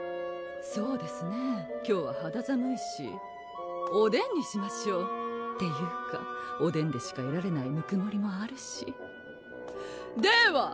そうですね今日は肌寒いしおでんにしましょうっていうかおでんでしかえられないぬくもりもあるしでは！